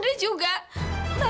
terima kasih mbak l sharks haga